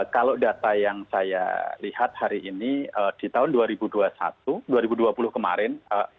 kalau data yang saya lihat hari ini di tahun dua ribu dua puluh satu dua ribu dua puluh kemarin